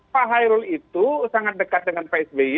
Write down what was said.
pak hairul itu sangat dekat dengan pak sby